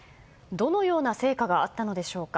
どのような成果があったのでしょうか。